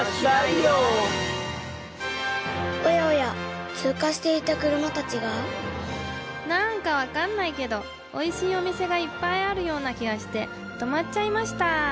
おやおや通過していた車たちが何か分かんないけどおいしいお店がいっぱいあるような気がして止まっちゃいました。